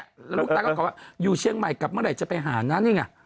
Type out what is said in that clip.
แล้วลูกตาก็ขอว่าอยู่เชียงใหม่กลับเมื่อไหร่จะไปหานะนี่ไง